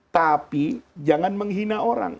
tapi jangan menghina orang